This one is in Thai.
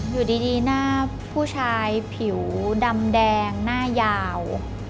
อยู่ดีหน้าผู้ชายผิวดำแดงหน้ายาว